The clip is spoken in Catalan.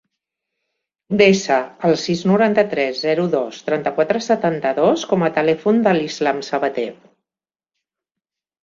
Desa el sis, noranta-tres, zero, dos, trenta-quatre, setanta-dos com a telèfon de l'Islam Sabate.